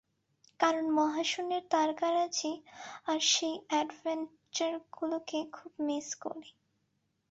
কারণ, মহাশূন্যের তারকারাজি আর সেই এডভেঞ্চারগুলোকে খুব মিস করি।